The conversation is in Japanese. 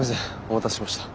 お待たせしました。